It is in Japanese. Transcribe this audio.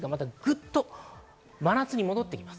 グッと真夏に戻ってきます。